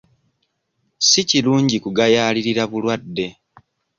Si kirungi kugayaalirira bulwadde.